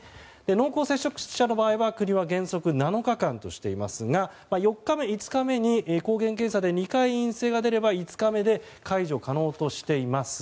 濃厚接触者の場合国は原則７日間としていますが４日目、５日目に抗原検査で２回陰性が出れば５日目で解除可能としています。